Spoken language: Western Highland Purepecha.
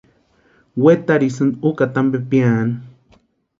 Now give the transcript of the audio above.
Wetarhisïnti úkata ampe piani.